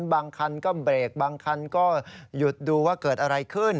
บางคันก็เบรกบางคันก็หยุดดูว่าเกิดอะไรขึ้น